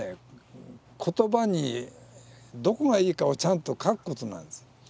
言葉にどこがいいかをちゃんと書くことなんです。